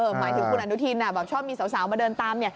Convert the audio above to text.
หมายถึงคุณอนุทินชอบมีสาวมาเดินตาม